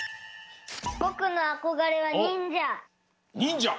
ぼくのあこがれはにんじゃ。にんじゃ！